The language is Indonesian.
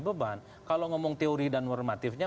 beban kalau ngomong teori dan normatifnya